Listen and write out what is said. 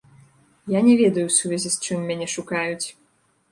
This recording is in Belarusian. Я не ведаю, у сувязі з чым мяне шукаюць.